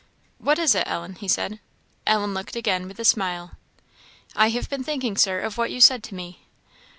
"What is it, Ellen?" he said. Ellen looked again, with a smile. "I have been thinking, Sir, of what you said to me."